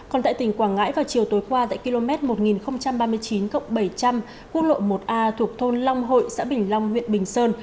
còn tại tỉnh quảng ngãi vào chiều tối qua tại km một nghìn ba mươi chín bảy trăm linh quốc lộ một a thuộc thôn long hội xã bình long huyện bình sơn